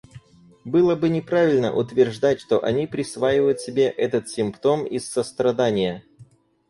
Было бы неправильно утверждать, что они присваивают себе этот симптом из сострадания.